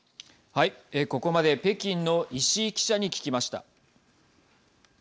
ここまで北京の石井記者に聞きました。